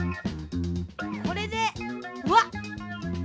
これでうわっ！